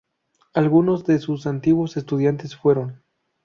Algunos de sus antiguos estudiantes fueron.